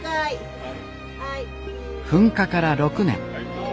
噴火から６年。